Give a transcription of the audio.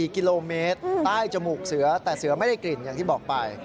๔กิโลเมตรใต้จมูกเสือแต่เสือไม่ได้กลิ่นอย่างที่บอกไป